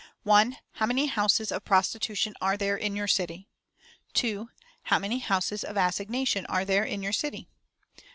How many houses of prostitution are there in your city? "2. How many houses of assignation are there in your city?